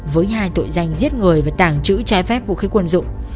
với hai tội danh giết người và tàng trữ trái phép vũ khí quân dụng